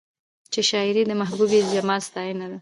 چې شاعري د محبوبې د جمال ستاينه ده